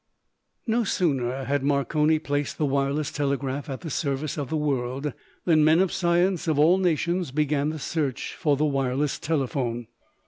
No sooner had Marconi placed the wireless telegraph at the service of the world than men of science of all nations began the search for the wireless telephone.